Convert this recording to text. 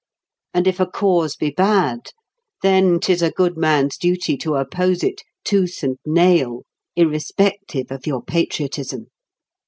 And if a cause be bad, then 'tis a good man's duty to oppose it, tooth and nail, irrespective of your patriotism.